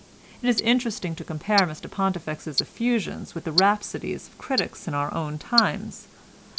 It is interesting to compare Mr Pontifex's effusions with the rhapsodies of critics in our own times.